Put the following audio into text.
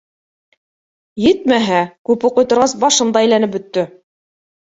Етмәһә, күп уҡый торғас, башым да әйләнеп бөттө.